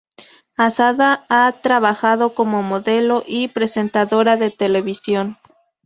Asada ha trabajado como modelo y presentadora de televisión.